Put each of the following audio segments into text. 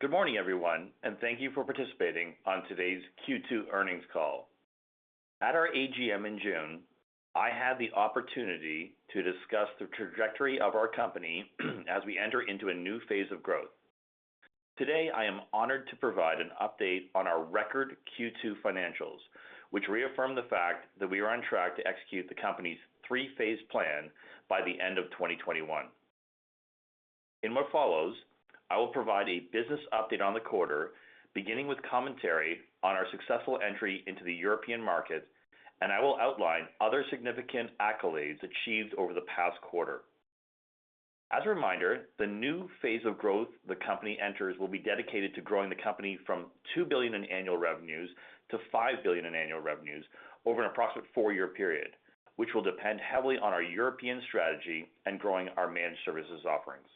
Good morning, everyone, thank you for participating on today's Q2 earnings call. At our AGM in June, I had the opportunity to discuss the trajectory of our company as we enter into a new phase of growth. Today, I am honored to provide an update on our record Q2 financials, which reaffirm the fact that we are on track to execute the company's three-phase plan by the end of 2021. In what follows, I will provide a business update on the quarter, beginning with commentary on our successful entry into the European market, and I will outline other significant accolades achieved over the past quarter. As a reminder, the new phase of growth the company enters will be dedicated to growing the company from 2 billion in annual revenues to 5 billion in annual revenues over an approximate 4-year period, which will depend heavily on our European strategy and growing our managed services offerings.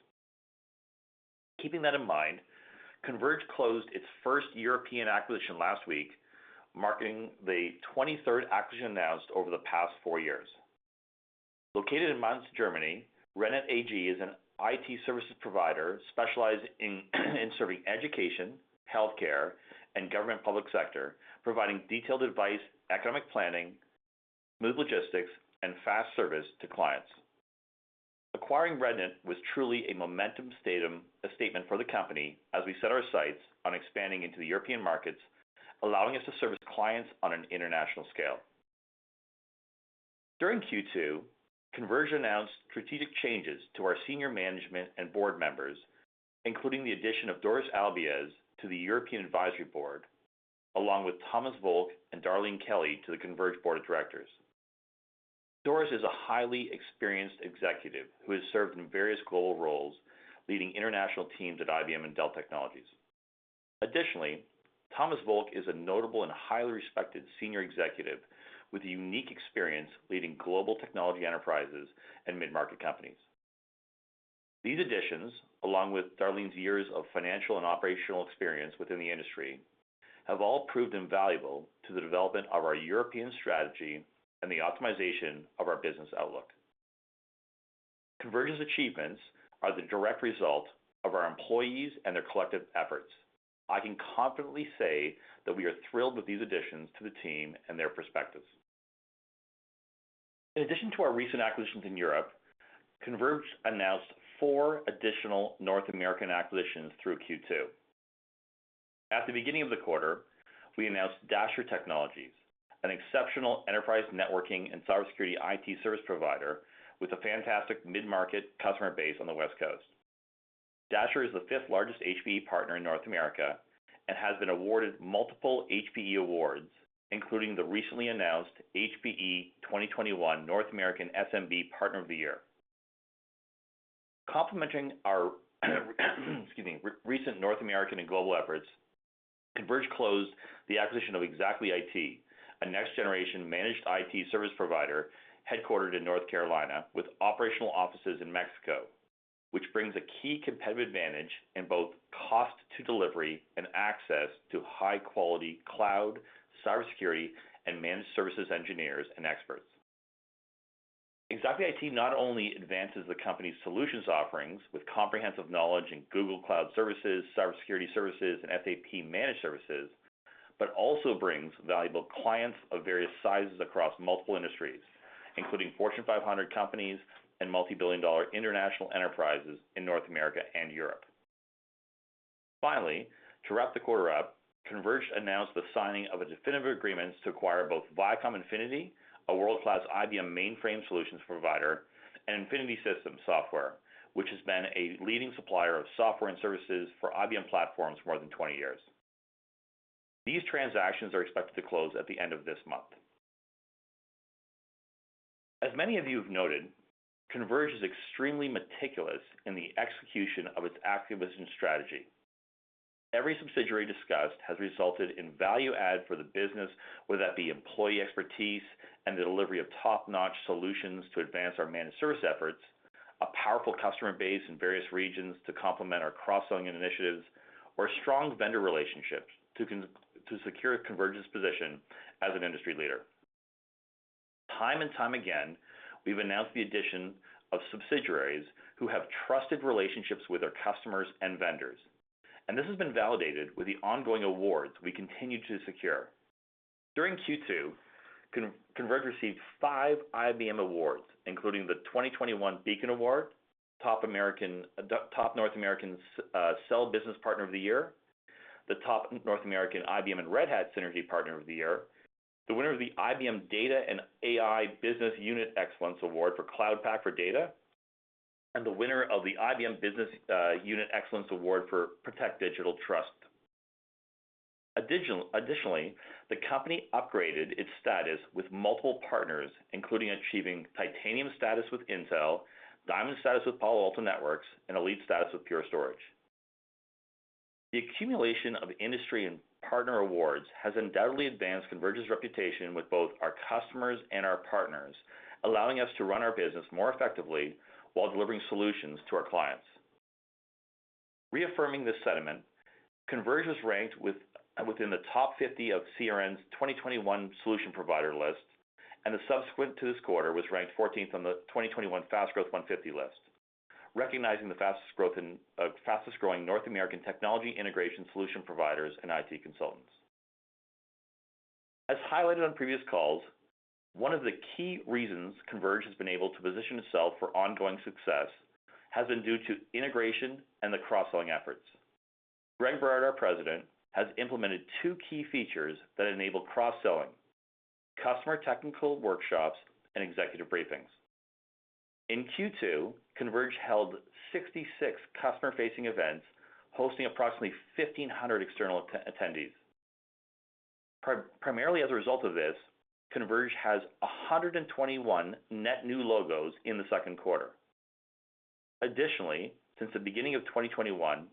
Keeping that in mind, Converge closed its first European acquisition last week, marking the 23rd acquisition announced over the past 4 years. Located in Mainz, Germany, REDNET AG is an IT services provider specialized in serving education, healthcare, and government public sector, providing detailed advice, economic planning, smooth logistics, and fast service to clients. Acquiring REDNET was truly a momentum statement for the company as we set our sights on expanding into the European markets, allowing us to service clients on an international scale. During Q2, Converge announced strategic changes to our senior management and board members, including the addition of Doris Albiez to the European Advisory Board, along with Thomas Volk and Darlene Kelly to the Converge Board of Directors. Doris is a highly experienced executive who has served in various global roles, leading international teams at IBM and Dell Technologies. Additionally, Thomas Volk is a notable and highly respected senior executive with the unique experience leading global technology enterprises and mid-market companies. These additions, along with Darlene's years of financial and operational experience within the industry, have all proved invaluable to the development of our European strategy and the optimization of our business outlook. Converge's achievements are the direct result of our employees and their collective efforts. I can confidently say that we are thrilled with these additions to the team and their perspectives. In addition to our recent acquisitions in Europe, Converge announced four additional North American acquisitions through Q2. At the beginning of the quarter, we announced Dasher Technologies, an exceptional enterprise networking and cybersecurity IT service provider with a fantastic mid-market customer base on the West Coast. Dasher is the fifth-largest HPE partner in North America and has been awarded multiple HPE awards, including the recently announced HPE 2021 North American SMB Partner of the Year. Complementing our recent North American and global efforts, Converge closed the acquisition of ExactlyIT, a next-generation managed IT service provider headquartered in North Carolina with operational offices in Mexico, which brings a key competitive advantage in both cost to delivery and access to high-quality cloud, cybersecurity, and managed services engineers and experts. ExactlyIT not only advances the company's solutions offerings with comprehensive knowledge in Google Cloud Services, cybersecurity services, and SAP managed services, but also brings valuable clients of various sizes across multiple industries, including Fortune 500 companies and multi-billion dollar international enterprises in North America and Europe. Finally, to wrap the quarter up, Converge announced the signing of a definitive agreement to acquire both Vicom Infinity, a world-class IBM mainframe solutions provider, and Infinity Systems Software, which has been a leading supplier of software and services for IBM platforms for more than 20 years. These transactions are expected to close at the end of this month. As many of you have noted, Converge is extremely meticulous in the execution of its activism strategy. Every subsidiary discussed has resulted in value add for the business, whether that be employee expertise and the delivery of top-notch solutions to advance our managed service efforts, a powerful customer base in various regions to complement our cross-selling initiatives, or strong vendor relationships to secure Converge's position as an industry leader. Time and time again, we've announced the addition of subsidiaries who have trusted relationships with our customers and vendors, and this has been validated with the ongoing awards we continue to secure. During Q2, Converge received five IBM awards, including the 2021 Beacon Award, Top North American Sell Business Partner of the Year, the Top North American IBM and Red Hat Synergy Partner of the Year, the winner of the IBM Data and AI Business Unit Excellence Award for Cloud Pak for Data, and the winner of the IBM Business Unit Excellence Award for Protect: Digital Trust. Additionally, the company upgraded its status with multiple partners, including achieving Titanium status with Intel, Diamond status with Palo Alto Networks, and Elite status with Pure Storage. The accumulation of industry and partner awards has undoubtedly advanced Converge's reputation with both our customers and our partners, allowing us to run our business more effectively while delivering solutions to our clients. Reaffirming this sentiment, Converge was ranked within the top 50 of CRN's 2021 solution provider list. The subsequent to this quarter was ranked 14th on the 2021 Fast Growth 150 list, recognizing the fastest growing North American technology integration solution providers and IT consultants. As highlighted on previous calls, one of the key reasons Converge has been able to position itself for ongoing success has been due to integration and the cross-selling efforts. Greg Berard, our President, has implemented 2 key features that enable cross-selling, customer technical workshops, and executive briefings. In Q2, Converge held 66 customer-facing events, hosting approximately 1,500 external attendees. Primarily as a result of this, Converge has 121 net new logos in the second quarter. Since the beginning of 2021,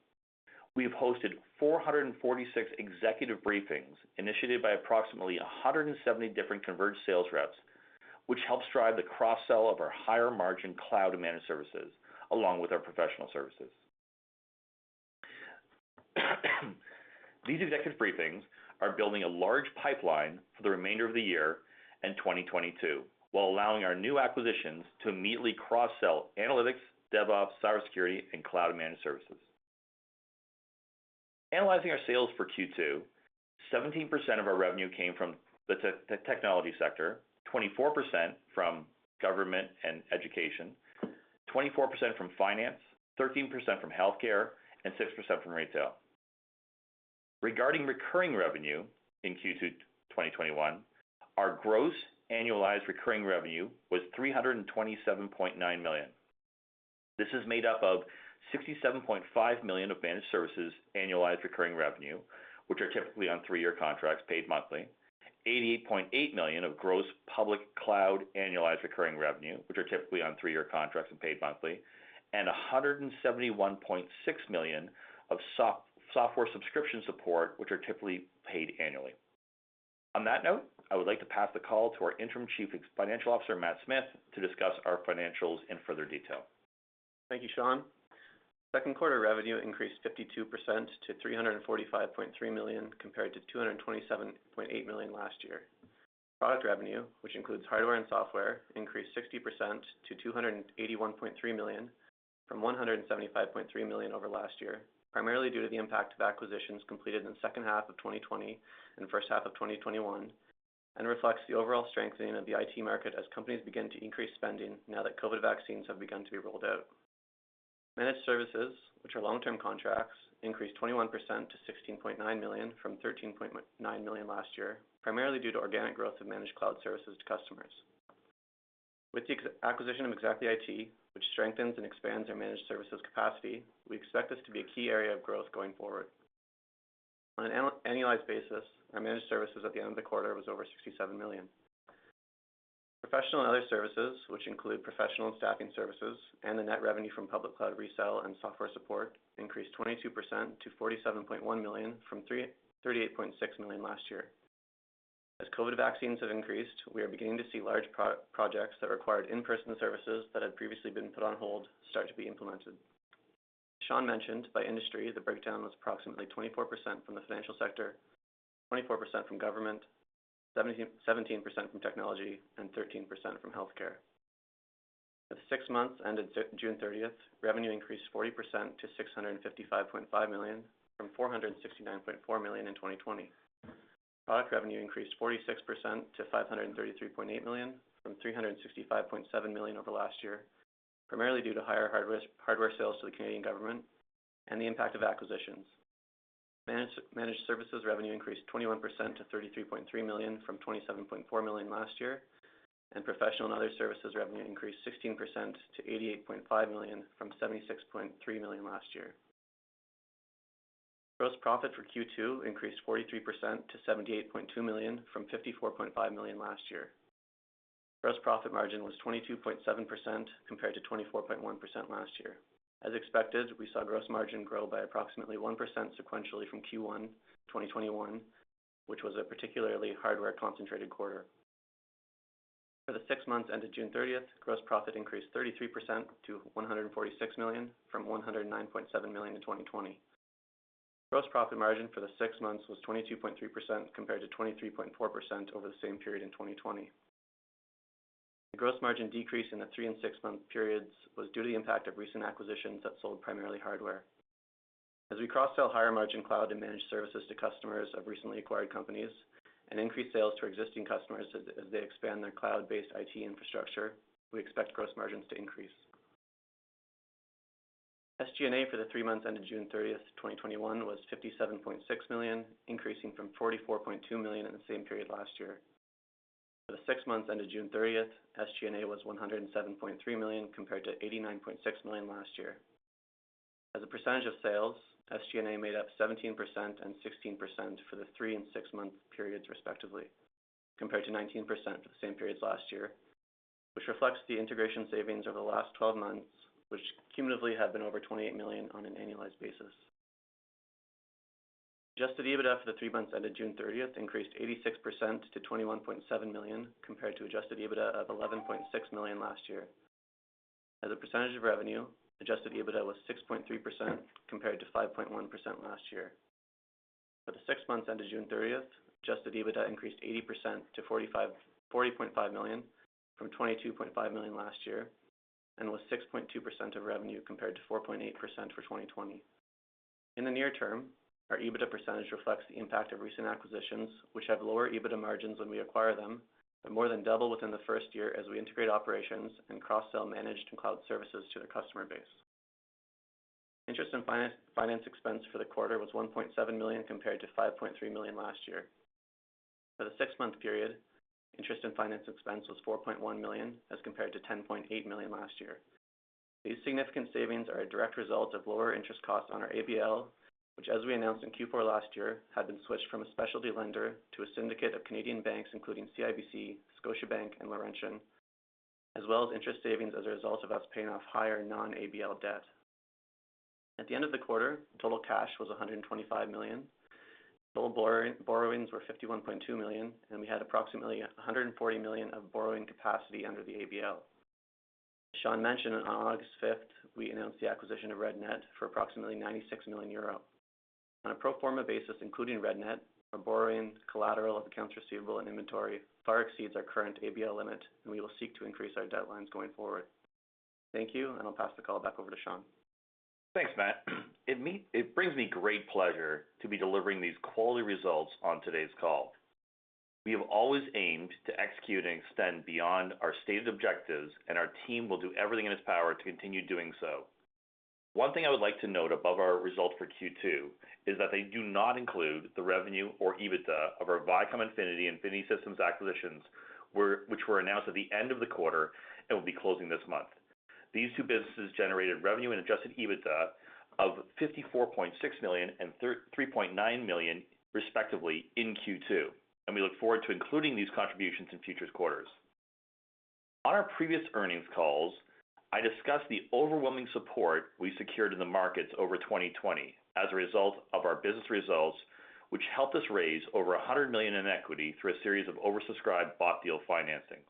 we have hosted 446 executive briefings initiated by approximately 170 different Converge sales reps, which helps drive the cross-sell of our higher margin cloud managed services, along with our professional services. These executive briefings are building a large pipeline for the remainder of the year and 2022, while allowing our new acquisitions to immediately cross-sell analytics, DevOps, cybersecurity, and cloud managed services. Analyzing our sales for Q2, 17% of our revenue came from the technology sector, 24% from government and education, 24% from finance, 13% from healthcare, and 6% from retail. Regarding recurring revenue in Q2 2021, our gross annualized recurring revenue was 327.9 million. This is made up of 67.5 million of managed services annualized recurring revenue, which are typically on three-year contracts paid monthly, 88.8 million of gross public cloud annualized recurring revenue, which are typically on three-year contracts and paid monthly, and 171.6 million of software subscription support, which are typically paid annually. On that note, I would like to pass the call to our Interim Chief Financial Officer, Matt Smith, to discuss our financials in further detail. Thank you, Shaun. Second quarter revenue increased 52% to 345.3 million, compared to 227.8 million last year. Product revenue, which includes hardware and software, increased 60% to 281.3 million from 175.3 million over last year, primarily due to the impact of acquisitions completed in the second half of 2020 and the first half of 2021, and reflects the overall strengthening of the IT market as companies begin to increase spending now that COVID vaccines have begun to be rolled out. Managed services, which are long-term contracts, increased 21% to 16.9 million from 13.9 million last year, primarily due to organic growth of managed cloud services to customers. With the acquisition of ExactlyIT, which strengthens and expands our managed services capacity, we expect this to be a key area of growth going forward. On an annualized basis, our managed services at the end of the quarter was over 67 million. Professional and other services, which include professional and staffing services and the net revenue from public cloud resell and software support, increased 22% to 47.1 million from 38.6 million last year. As COVID vaccines have increased, we are beginning to see large projects that required in-person services that had previously been put on hold start to be implemented. Shaun mentioned by industry, the breakdown was approximately 24% from the financial sector, 24% from government, 17% from technology, and 13% from healthcare. For the six months ended June 30th, revenue increased 40% to 655.5 million from 469.4 million in 2020. Product revenue increased 46% to 533.8 million from 365.7 million over last year, primarily due to higher hardware sales to the Canadian government and the impact of acquisitions. Managed services revenue increased 21% to 33.3 million from 27.4 million last year. Professional and other services revenue increased 16% to 88.5 million from 76.3 million last year. Gross profit for Q2 increased 43% to 78.2 million from 54.5 million last year. Gross profit margin was 22.7% compared to 24.1% last year. As expected, we saw gross margin grow by approximately 1% sequentially from Q1 2021, which was a particularly hardware-concentrated quarter. For the six months ended June 30th, gross profit increased 33% to 146 million from 109.7 million in 2020. Gross profit margin for the six months was 22.3% compared to 23.4% over the same period in 2020. The gross margin decrease in the three and six-month periods was due to the impact of recent acquisitions that sold primarily hardware. As we cross-sell higher margin cloud and managed services to customers of recently acquired companies and increase sales to our existing customers as they expand their cloud-based IT infrastructure, we expect gross margins to increase. SG&A for the 3 months ended June 30, 2021, was 57.6 million, increasing from 44.2 million in the same period last year. For the 6 months ended June 30, SG&A was 107.3 million compared to 89.6 million last year. As a percentage of sales, SG&A made up 17% and 16% for the 3 and 6-month periods respectively, compared to 19% for the same periods last year, which reflects the integration savings over the last 12 months, which cumulatively have been over 28 million on an annualized basis. Adjusted EBITDA for the 3 months ended June 30 increased 86% to 21.7 million, compared to Adjusted EBITDA of 11.6 million last year. As a percentage of revenue, Adjusted EBITDA was 6.3% compared to 5.1% last year. For the six months ended June 30th, Adjusted EBITDA increased 80% to 40.5 million from 22.5 million last year, and was 6.2% of revenue compared to 4.8% for 2020. In the near term, our EBITDA percentage reflects the impact of recent acquisitions, which have lower EBITDA margins when we acquire them, but more than double within the first year as we integrate operations and cross-sell managed and cloud services to their customer base. Interest and finance expense for the quarter was 1.7 million, compared to 5.3 million last year. For the six-month period, interest and finance expense was 4.1 million, as compared to 10.8 million last year. These significant savings are a direct result of lower interest costs on our ABL, which, as we announced in Q4 last year, had been switched from a specialty lender to a syndicate of Canadian banks, including CIBC, Scotiabank, and Laurentian, as well as interest savings as a result of us paying off higher non-ABL debt. At the end of the quarter, total cash was 125 million. Total borrowings were 51.2 million, and we had approximately 140 million of borrowing capacity under the ABL. Shaun mentioned, on August 5th, we announced the acquisition of REDNET for approximately 96 million euro. On a pro forma basis, including REDNET, our borrowing collateral of accounts receivable and inventory far exceeds our current ABL limit, and we will seek to increase our debt lines going forward. Thank you, and I'll pass the call back over to Shaun. Thanks, Matt. It brings me great pleasure to be delivering these quarterly results on today's call. We have always aimed to execute and extend beyond our stated objectives. Our team will do everything in its power to continue doing so. One thing I would like to note above our results for Q2 is that they do not include the revenue or EBITDA of our Vicom Infinity and Infinity Systems Software acquisitions, which were announced at the end of the quarter and will be closing this month. These two businesses generated revenue and Adjusted EBITDA of 54.6 million and 3.9 million, respectively, in Q2. We look forward to including these contributions in future quarters. On our previous earnings calls, I discussed the overwhelming support we secured in the markets over 2020 as a result of our business results, which helped us raise over 100 million in equity through a series of oversubscribed bought-deal financings.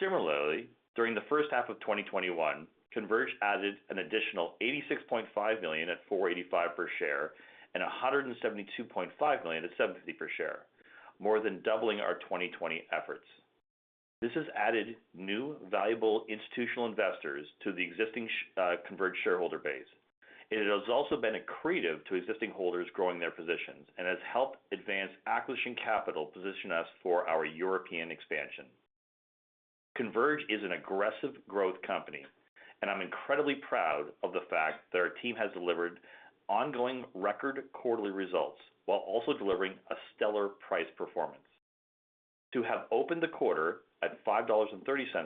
Similarly, during the first half of 2021, Converge added an additional 86.5 million at 485 per share and 172.5 million at 750 per share, more than doubling our 2020 efforts. This has added new, valuable institutional investors to the existing Converge shareholder base. It has also been accretive to existing holders growing their positions and has helped advance acquisition capital position us for our European expansion. Converge is an aggressive growth company, and I'm incredibly proud of the fact that our team has delivered ongoing record quarterly results while also delivering a stellar price performance. To have opened the quarter at 5.30 dollars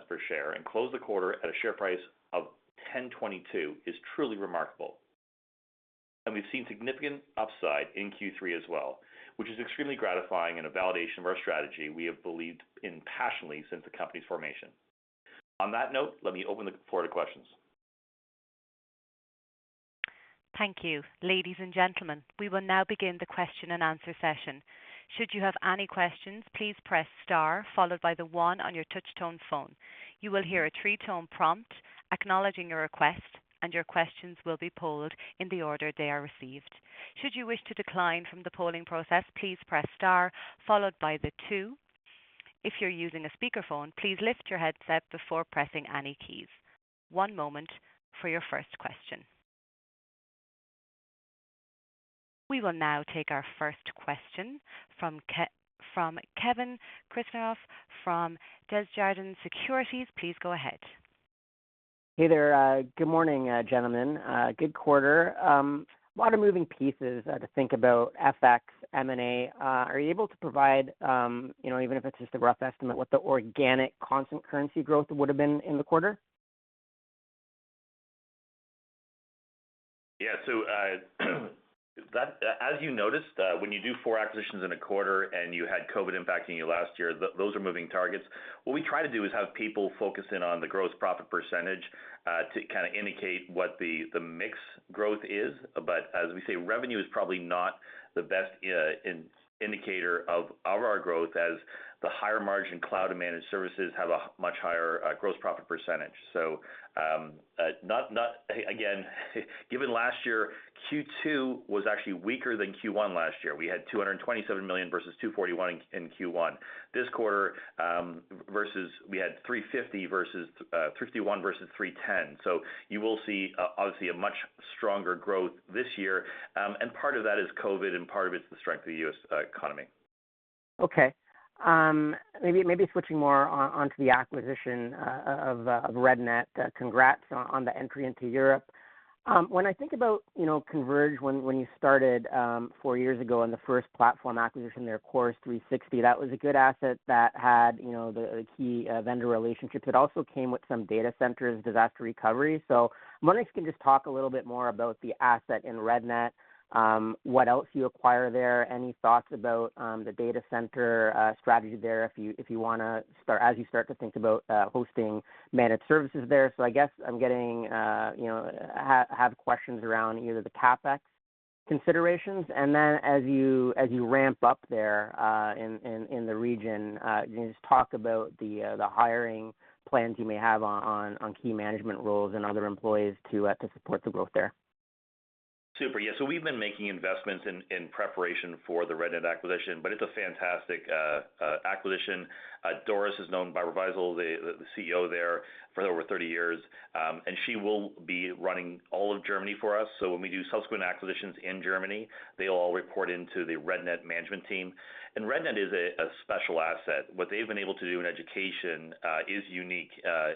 per share and close the quarter at a share price of 10.22 is truly remarkable. We've seen significant upside in Q3 as well, which is extremely gratifying and a validation of our strategy we have believed in passionately since the company's formation. On that note, let me open the floor to questions. Thank you. Ladies and gentlemen, we will now begin the question and answer session. Should you have any questions, please press star followed by the 1 on your touch-tone phone. You will hear a 3-tone prompt acknowledging your request, and your questions will be polled in the order they are received. Should you wish to decline from the polling process, please press star followed by the 2. If you're using a speakerphone, please lift your headset before pressing any keys. 1 moment for your first question. We will now take our first question from Kevin Krishnaratne from Desjardins Securities. Please go ahead. Hey there. Good morning, gentlemen. Good quarter. A lot of moving pieces to think about, FX, M&A. Are you able to provide, even if it's just a rough estimate, what the organic constant currency growth would've been in the quarter? As you noticed, when you do 4 acquisitions in a quarter and you had COVID impacting you last year, those are moving targets. What we try to do is have people focus in on the gross profit % to kind of indicate what the mix growth is. As we say, revenue is probably not the best indicator of our growth, as the higher margin cloud and managed services have a much higher gross profit %. Again, given last year, Q2 was actually weaker than Q1 last year. We had 227 million versus 241 in Q1. This quarter, we had 351 versus 310. You will see, obviously, a much stronger growth this year. Part of that is COVID, and part of it's the strength of the U.S. economy. Okay. Maybe switching more onto the acquisition of Rednet. Congrats on the entry into Europe. When I think about Converge, when you started four years ago, the first platform acquisition there, Corus360, that was a good asset that had the key vendor relationships. It also came with some data centers, disaster recovery. I'm wondering if you can just talk a little bit more about the asset in Rednet, what else you acquire there, any thoughts about the data center strategy there as you start to think about hosting managed services there. I guess I have questions around either the CapEx considerations, as you ramp up there in the region, can you just talk about the hiring plans you may have on key management roles and other employees to support the growth there? Super. We've been making investments in preparation for the Rednet acquisition, but it's a fantastic acquisition. Doris is known by Revizto, the CEO there, for over 30 years. She will be running all of Germany for us. When we do subsequent acquisitions in Germany, they'll all report into the Rednet management team. Rednet is a special asset. What they've been able to do in education is unique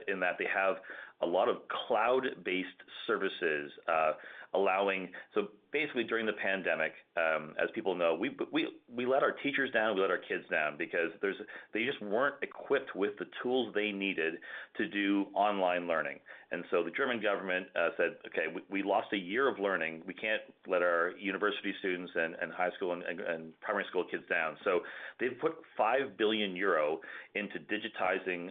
in that they have a lot of cloud-based services. During the pandemic, as people know, we let our teachers down, we let our kids down because they just weren't equipped with the tools they needed to do online learning. The German government said, "Okay, we lost a year of learning. We can't let our university students and high school and primary school kids down. They've put 5 billion euro into digitizing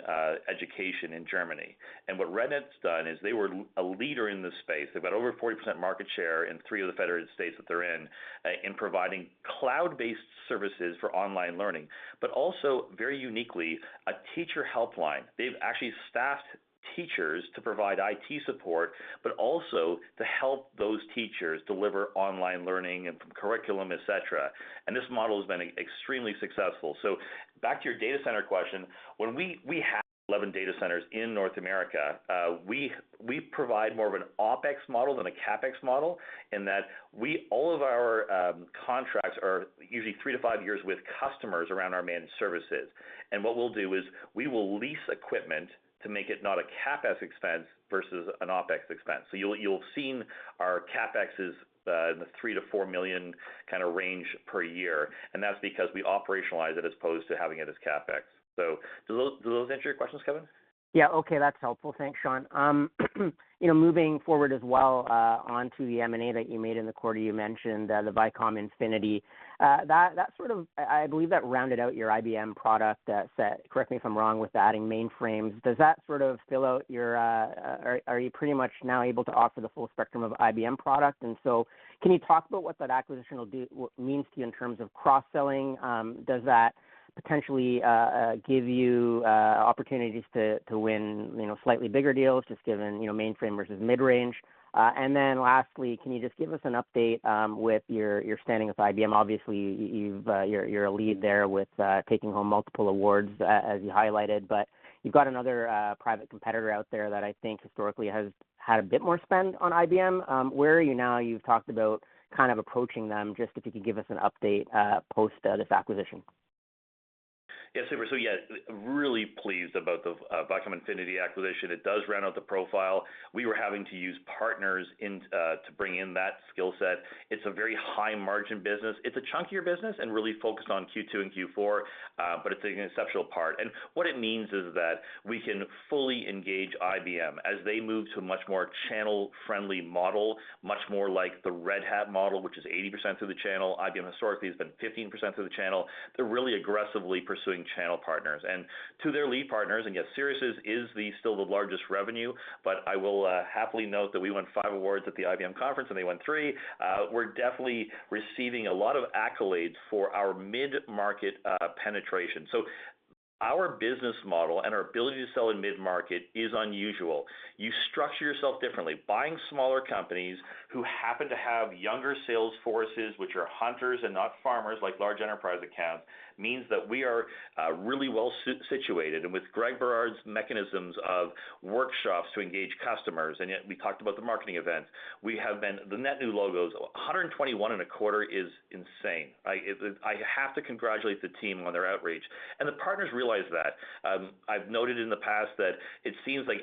education in Germany. What REDNET's done is they were a leader in this space. They've got over 40% market share in 3 of the federal states that they're in providing cloud-based services for online learning, but also very uniquely, a teacher helpline. They've actually staffed teachers to provide IT support, but also to help those teachers deliver online learning and curriculum, et cetera. This model has been extremely successful. Back to your data center question, we have 11 data centers in North America. We provide more of an OpEx model than a CapEx model in that all of our contracts are usually 3 to 5 years with customers around our managed services. What we'll do is we will lease equipment to make it not a CapEx expense versus an OpEx expense. You'll have seen our CapEx is in the 3 million-4 million kind of range per year, and that's because we operationalize it as opposed to having it as CapEx. Do those answer your questions, Kevin? That's helpful. Thanks, Shaun. Moving forward as well, onto the M&A that you made in the quarter, you mentioned the Vicom Infinity. I believe that rounded out your IBM product set, correct me if I'm wrong, with adding mainframes. Are you pretty much now able to offer the full spectrum of IBM product? Can you talk about what that acquisition will mean to you in terms of cross-selling? Does that potentially give you opportunities to win slightly bigger deals, just given mainframe versus mid-range? Lastly, can you just give us an update with your standing with IBM? Obviously, you're a lead there with taking home multiple awards, as you highlighted, you've got another private competitor out there that I think historically has had a bit more spend on IBM. Where are you now? You've talked about kind of approaching them, just if you could give us an update post this acquisition? Super. Really pleased about the Vicom Infinity acquisition. It does round out the profile. We were having to use partners to bring in that skill set. It's a very high margin business. It's a chunkier business and really focused on Q2 and Q4, but it's an exceptional part. What it means is that we can fully engage IBM as they move to a much more channel-friendly model, much more like the Red Hat model, which is 80% through the channel. IBM historically has been 15% through the channel. They're really aggressively pursuing channel partners. To their lead partners, and yes, Sirius is still the largest revenue, but I will happily note that we won five awards at the IBM conference, and they won three. We're definitely receiving a lot of accolades for our mid-market penetration. Our business model and our ability to sell in mid-market is unusual. You structure yourself differently. Buying smaller companies who happen to have younger sales forces, which are hunters and not farmers like large enterprise accounts, means that we are really well situated. With Greg Berard's mechanisms of workshops to engage customers, yet we talked about the marketing event, the net new logos, 121 in a quarter is insane. I have to congratulate the team on their outreach. The partners realize that. I've noted in the past that it seems like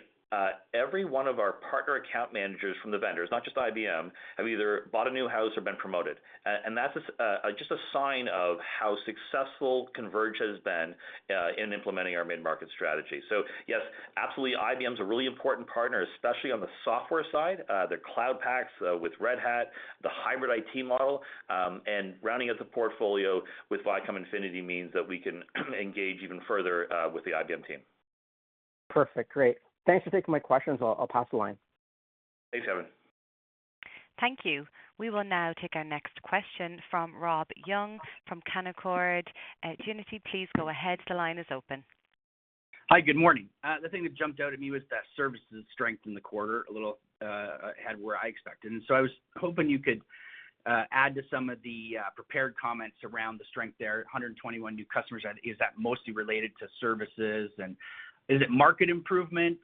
every one of our partner account managers from the vendors, not just IBM, have either bought a new house or been promoted. That's just a sign of how successful Converge has been in implementing our mid-market strategy. Yes, absolutely, IBM's a really important partner, especially on the software side. Their Cloud Paks with Red Hat, the hybrid IT model, and rounding out the portfolio with Vicom Infinity means that we can engage even further with the IBM team. Perfect. Great. Thanks for taking my questions. I'll pass the line. Thanks, Kevin. Thank you. We will now take our next question from Rob Young from Canaccord. Do you want to please go ahead? The line is open. Hi, good morning. The thing that jumped out at me was that services strength in the quarter, a little ahead where I expected. I was hoping you could add to some of the prepared comments around the strength there, 121 new customers. Is that mostly related to services, and is it market improvement,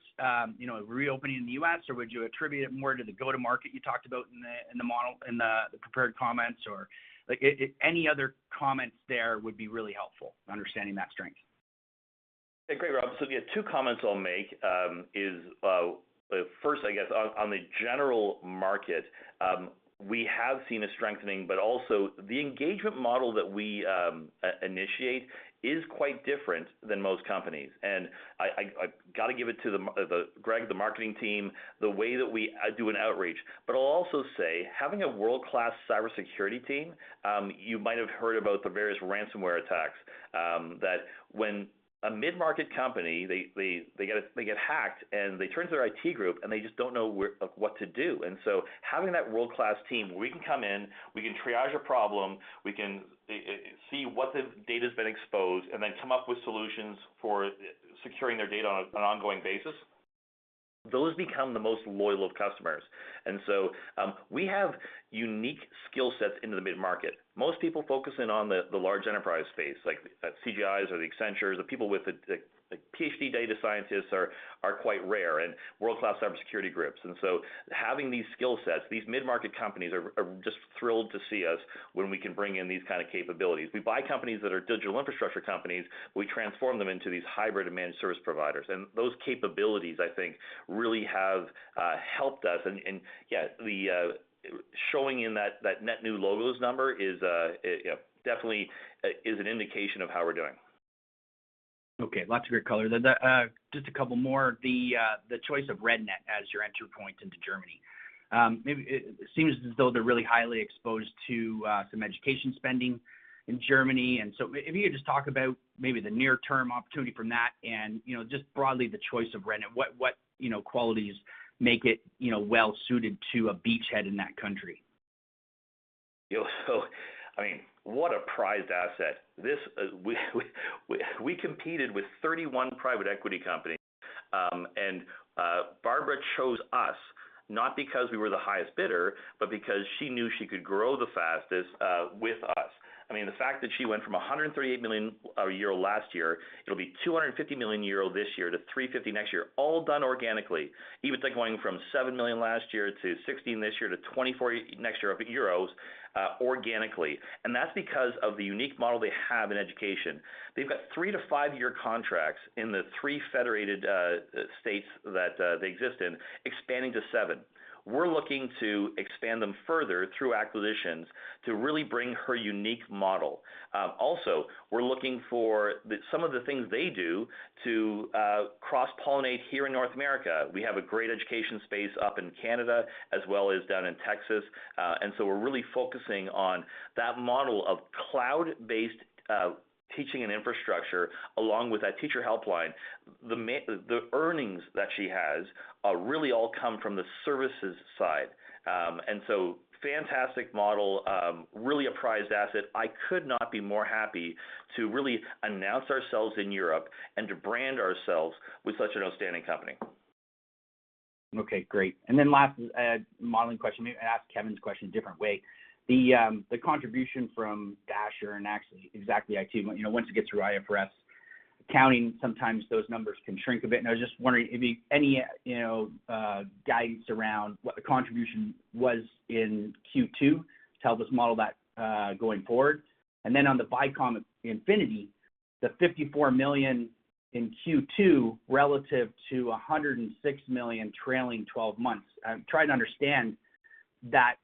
reopening in the U.S., or would you attribute it more to the go-to market you talked about in the prepared comments? Any other comments there would be really helpful, understanding that strength. Great, Rob. Two comments I'll make is, first, on the general market, we have seen a strengthening, but also the engagement model that we initiate is quite different than most companies. I got to give it to Greg, the marketing team, the way that we do an outreach. I'll also say, having a world-class cybersecurity team, you might have heard about the various ransomware attacks, that when a mid-market company, they get hacked, and they turn to their IT group, and they just don't know what to do. Having that world-class team where we can come in, we can triage a problem, we can see what data's been exposed, and then come up with solutions for securing their data on an ongoing basis. Those become the most loyal of customers. We have unique skill sets into the mid-market. Most people focus in on the large enterprise space, like CGIs or the Accentures, the people with PhD data scientists are quite rare, and world-class cybersecurity groups. Having these skill sets, these mid-market companies are just thrilled to see us when we can bring in these kind of capabilities. We buy companies that are digital infrastructure companies. We transform them into these hybrid managed service providers. Those capabilities, I think, really have helped us. Showing in that net new logos number definitely is an indication of how we're doing. Okay. Lots of great color there. Just a couple more. The choice of Rednet as your entry point into Germany. It seems as though they're really highly exposed to some education spending in Germany. If you could just talk about maybe the near-term opportunity from that and just broadly the choice of Rednet. What qualities make it well-suited to a beachhead in that country? What a prized asset. We competed with 31 private equity companies, and Barbara chose us not because we were the highest bidder, but because she knew she could grow the fastest with us. The fact that she went from 138 million a year last year, it'll be CAD 250 million a year this year, to 350 million next year, all done organically. Even going from 7 million last year to 16 million this year to 24 million next year, organically. That's because of the unique model they have in education. They've got 3- to 5-year contracts in the 3 federated states that they exist in, expanding to 7. We're looking to expand them further through acquisitions to really bring her unique model. We're looking for some of the things they do to cross-pollinate here in North America. We have a great education space up in Canada as well as down in Texas. We're really focusing on that model of cloud-based teaching and infrastructure along with that teacher helpline. The earnings that she has really all come from the services side. Fantastic model, really a prized asset. I could not be more happy to really announce ourselves in Europe and to brand ourselves with such an outstanding company. Okay, great. Last, a modeling question. Maybe ask Kevin's question a different way. The contribution from Dasher and ExactlyIT, once you get through IFRS accounting, sometimes those numbers can shrink a bit, and I was just wondering maybe any guidance around what the contribution was in Q2 to help us model that going forward. On the Vicom Infinity, the 54 million in Q2 relative to 106 million trailing 12 months. I'm trying to understand that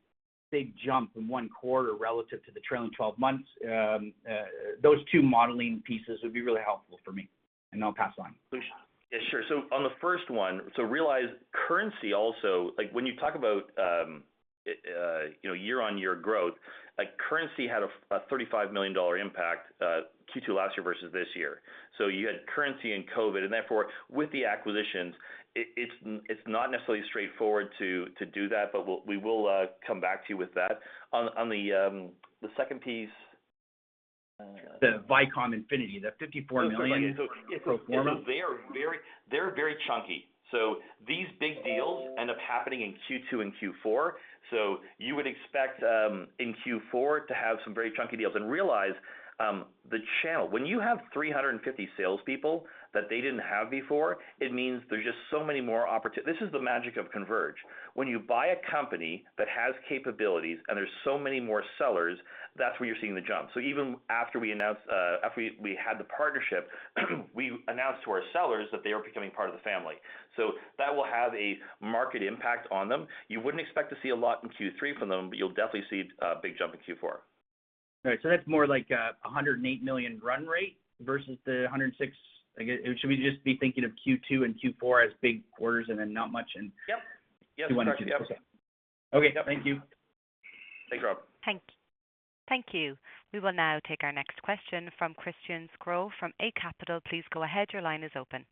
big jump from one quarter relative to the trailing 12 months. Those two modeling pieces would be really helpful for me, then I'll pass it on. Yeah, sure. On the first one, realize currency also, when you talk about year-over-year growth, currency had a 35 million dollar impact, Q2 last year versus this year. You had currency and COVID, and therefore, with the acquisitions, it's not necessarily straightforward to do that, but we will come back to you with that. On the second piece. The Vicom Infinity, the 54 million- So sorry. pro forma They are very chunky. These big deals end up happening in Q2 and Q4. You would expect in Q4 to have some very chunky deals. Realize the channel, when you have 350 salespeople that they didn't have before, it means there's just so many more opportunities. This is the magic of Converge. When you buy a company that has capabilities and there's so many more sellers, that's where you're seeing the jump. Even after we had the partnership, we announced to our sellers that they were becoming part of the family. That will have a market impact on them. You wouldn't expect to see a lot in Q3 from them, but you'll definitely see a big jump in Q4. All right. That's more like 108 million run rate versus the 106. Should we just be thinking of Q2 and Q4 as big quarters and then not much? Yep Q1 and Q3? Yep. Okay. Thank you. Thanks, Rob. Thank you. We will now take our next question from Christian Sgro from Eight Capital. Please go ahead. Your line is open.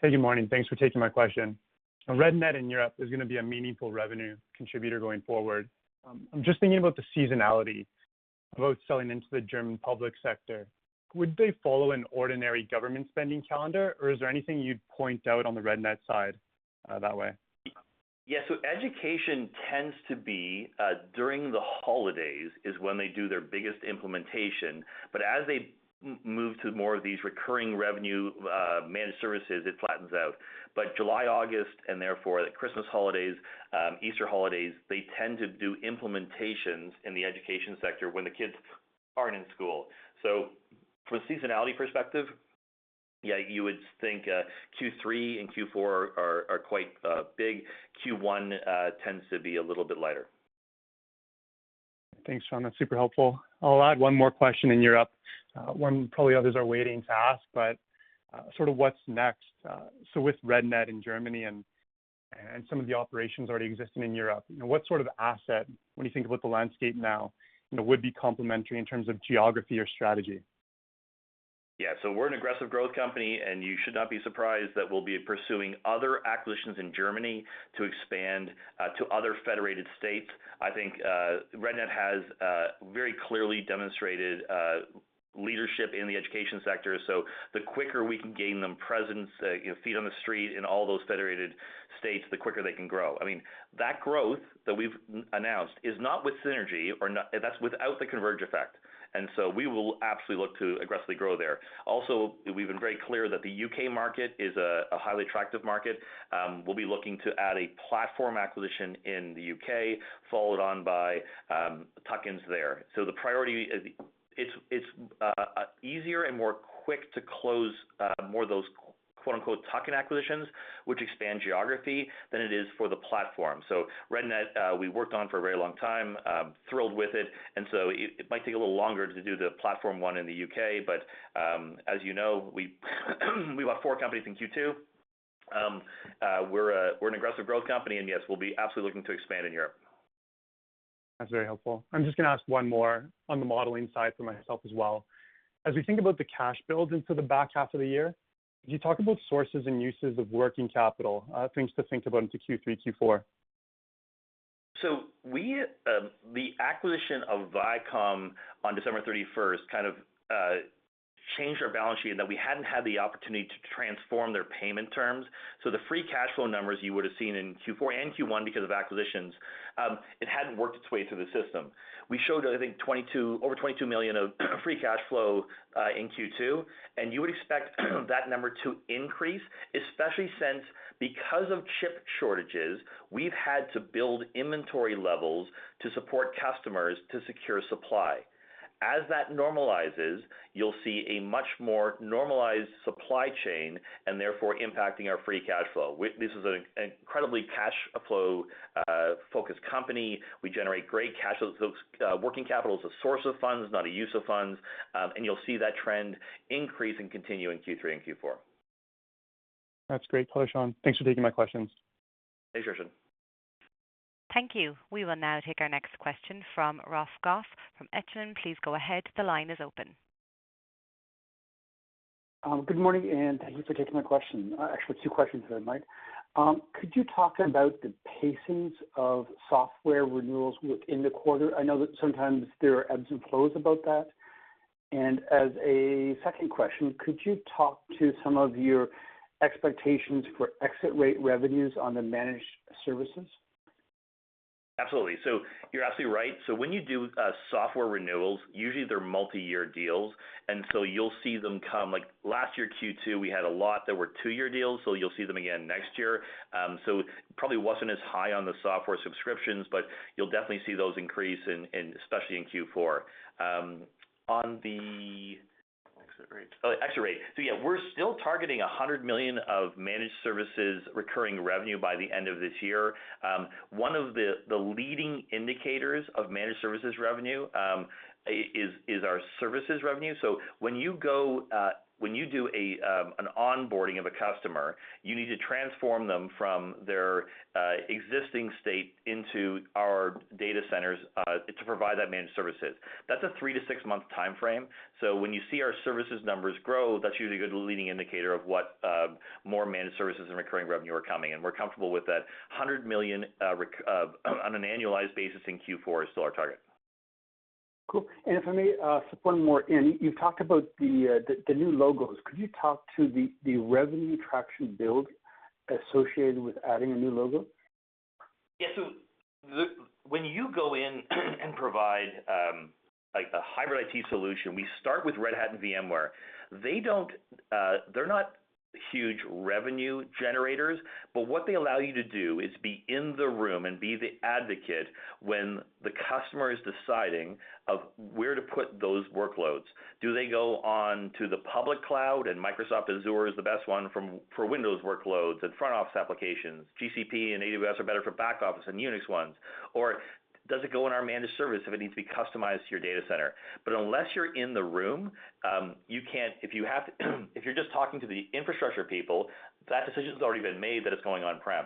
Hey, good morning. Thanks for taking my question. Rednet in Europe is going to be a meaningful revenue contributor going forward. I'm just thinking about the seasonality of both selling into the German public sector. Would they follow an ordinary government spending calendar, or is there anything you'd point out on the Rednet side that way? Yeah. Education tends to be, during the holidays is when they do their biggest implementation. As they move to more of these recurring revenue managed services, it flattens out. July, August, and therefore, the Christmas holidays, Easter holidays, they tend to do implementations in the education sector when the kids aren't in school. From a seasonality perspective, yeah, you would think Q3 and Q4 are quite big. Q1 tends to be a little bit lighter. Thanks, Shaun. That's super helpful. I'll add one more question in Europe, one probably others are waiting to ask. Sort of what's next? With REDNET in Germany and some of the operations already existing in Europe, what sort of asset, when you think about the landscape now, would be complementary in terms of geography or strategy? Yeah. We're an aggressive growth company, and you should not be surprised that we'll be pursuing other acquisitions in Germany to expand to other federated states. I think REDNET has very clearly demonstrated leadership in the education sector. The quicker we can gain them presence, feet on the street in all those federated states, the quicker they can grow. That growth that we've announced is not with synergy. That's without the Converge effect. We will absolutely look to aggressively grow there. Also, we've been very clear that the U.K. market is a highly attractive market. We'll be looking to add a platform acquisition in the U.K. followed on by tuck-ins there. The priority is, it's easier and more quick to close more of those quote unquote "tuck-in acquisitions" which expand geography, than it is for the platform. RedNet, we worked on for a very long time. Thrilled with it. It might take a little longer to do the platform one in the U.K., but, as you know, we bought four companies in Q2. We're an aggressive growth company, and yes, we'll be absolutely looking to expand in Europe. That's very helpful. I'm just going to ask one more on the modeling side for myself as well. As we think about the cash build into the back half of the year, could you talk about sources and uses of working capital, things to think about into Q3, Q4? The acquisition of Vicom on December 31st kind of changed our balance sheet in that we hadn't had the opportunity to transform their payment terms. The free cash flow numbers you would've seen in Q4 and Q1 because of acquisitions, it hadn't worked its way through the system. We showed, I think, over 22 million of free cash flow in Q2, and you would expect that number to increase, especially since, because of chip shortages, we've had to build inventory levels to support customers to secure supply. As that normalizes, you'll see a much more normalized supply chain, and therefore impacting our free cash flow. This is an incredibly cash flow-focused company. We generate great cash. Working capital is a source of funds, not a use of funds. You'll see that trend increase and continue in Q3 and Q4. That's great color, Shaun. Thanks for taking my questions. Thanks, Christian. Thank you. We will now take our next question from Rob Goff from Echelon. Please go ahead. Good morning, and thank you for taking my question. Actually, 2 questions if I might. Could you talk about the pacings of software renewals within the quarter? As a second question, could you talk to some of your expectations for exit rate revenues on the managed services? Absolutely. You're absolutely right. When you do software renewals, usually they're multi-year deals. You'll see them come, like last year, Q2, we had a lot that were two-year deals. You'll see them again next year. Probably wasn't as high on the software subscriptions, but you'll definitely see those increase especially in Q4. Exit rate Exit rate. Yeah, we're still targeting 100 million of managed services recurring revenue by the end of this year. One of the leading indicators of managed services revenue is our services revenue. When you do an onboarding of a customer, you need to transform them from their existing state into our data centers, to provide that managed services. That's a 3 to 6-month timeframe. When you see our services numbers grow, that's usually a good leading indicator of what more managed services and recurring revenue are coming, and we're comfortable with that. 100 million on an annualized basis in Q4 is still our target. Cool. If I may, just one more in. You've talked about the new logos. Could you talk to the revenue traction build associated with adding a new logo? When you go in and provide a hybrid IT solution, we start with Red Hat and VMware. They're not huge revenue generators, but what they allow you to do is be in the room and be the advocate when the customer is deciding of where to put those workloads. Do they go onto the public cloud, and Microsoft Azure is the best one for Windows workloads and front office applications, GCP and AWS are better for back office and Unix ones, or does it go in our managed service if it needs to be customized to your data center? Unless you're in the room, if you're just talking to the infrastructure people, that decision's already been made that it's going on-prem.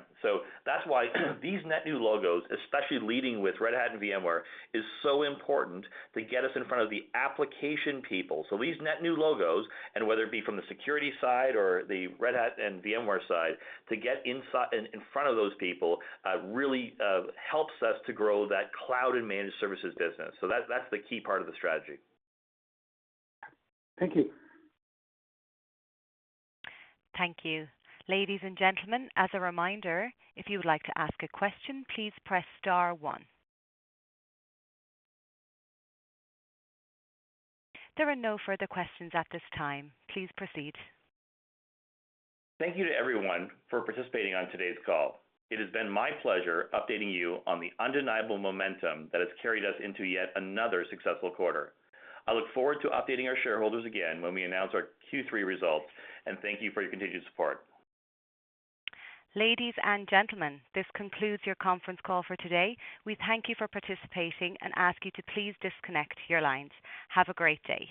That's why these net new logos, especially leading with Red Hat and VMware, is so important to get us in front of the application people. These net new logos, and whether it be from the security side or the Red Hat and VMware side, to get in front of those people, really helps us to grow that cloud and managed services business. That's the key part of the strategy. Thank you. Thank you. Ladies and gentlemen, as a reminder, if you would like to ask a question, please press star one. There are no further questions at this time. Please proceed. Thank you to everyone for participating on today's call. It has been my pleasure updating you on the undeniable momentum that has carried us into yet another successful quarter. I look forward to updating our shareholders again when we announce our Q3 results, and thank you for your continued support. Ladies and gentlemen, this concludes your conference call for today. We thank you for participating and ask you to please disconnect your lines. Have a great day.